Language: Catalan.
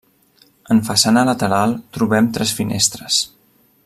En façana lateral trobem tres finestres.